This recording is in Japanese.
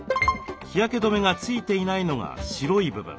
日焼け止めがついていないのが白い部分。